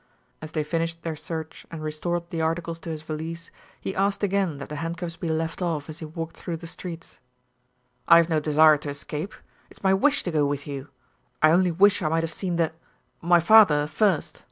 As they finished their search and restored the articles to his valise, he asked again that the handcuffs be left off as he walked through the streets. "I have no desire to escape. It is my wish to go with you. I only wish I might have seen the my father first.